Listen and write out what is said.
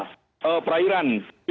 jenderal tito karnavia